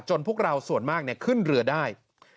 พวกเราส่วนมากขึ้นเรือได้